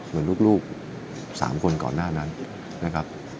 เหมือนลูก๓คนก่อนหน้านั้นนะครับ